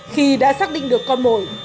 khi đã xác định được con mồi